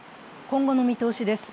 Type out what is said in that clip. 今後の見通しです。